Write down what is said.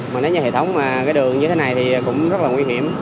mà nếu như hệ thống mà cái đường như thế này thì cũng rất là nguy hiểm